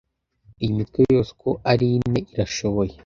Iyi mitwe yose uko ari ine irashoboye